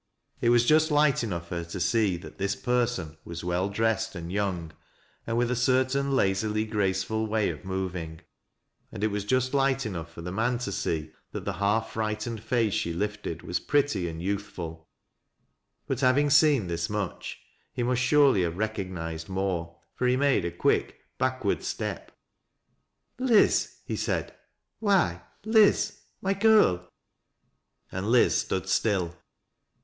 It was just light enoiujh for her to see that this person was well dressed, MAMTEB LAND8ELDS SON. \^\ and young, and with a ccrtai. i lazily graceful way of mov ing, and it was just light enough for the man to see thai the half frightened face she lifted was pretty and youthful Hut, having seen this much, he must surely have recognized naoie, for he made a quick backward step. " Liz !" he said " Why, Liz, my girl !" A.nd Liz stood still.